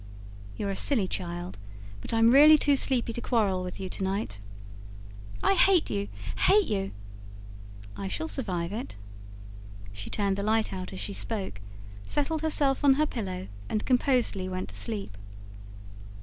"You're a silly child. But I'm really too sleepy to quarrel with you to night." "I hate you hate you!" "I shall survive it." She turned out the light as she spoke, settled herself on her pillow, and composedly went to sleep.